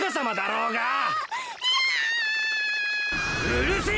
うるせえ！